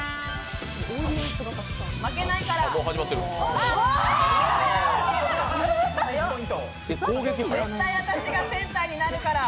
負けないから！